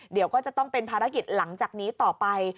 เดี๋ยวก็จะต้องเป็นภารกิจหลังจากนี้ต่อไป